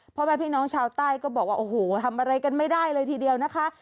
พ่อแม่พี่น้องชาวใต้ก็บอกว่าโอ้โหทำอะไรกันไม่ได้เลยทีเดียวนะคะ